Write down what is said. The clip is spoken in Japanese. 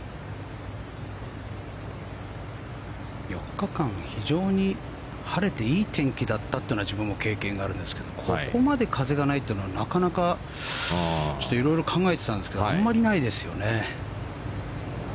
４日間非常に晴れていい天気だったというのは自分も経験があるんですがここまで風はないというのは色々考えていたんですけどあまりないですよね。